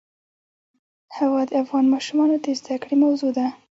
هوا د افغان ماشومانو د زده کړې موضوع ده.